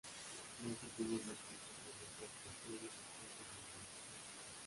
No se tiene noticias sobre su actuación en el frente malagueño.